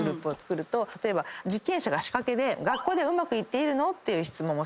実験者が仕掛けで学校でうまくいっているの？って質問をする。